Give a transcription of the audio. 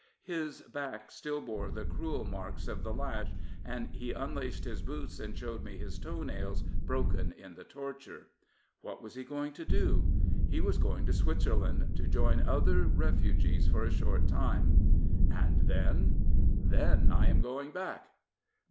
His back still bore the cruel marks of the lash, and he unlaced his boots and showed me his toe nails broken in the torture. What was he going to do? He was going to Switzerland to join other refugees for a short time, "And then?'' " Then I am going back."